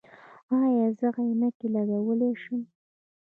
ایا زه عینکې لګولی شم؟